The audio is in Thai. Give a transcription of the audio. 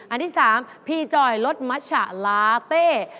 อันที่๓พี่จอยรถมัชะลาเต้